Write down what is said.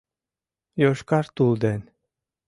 йошкар тул ден